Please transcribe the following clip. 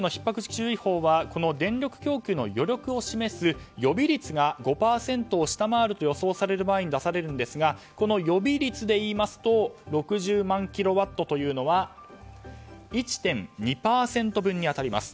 注意報はこの電力供給の余力を示す予備率が５％を下回ると予想される場合に出されるんですが予備率でいいますと６０万キロワットというのは１．２％分に当たります。